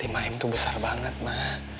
lima m itu besar banget mbak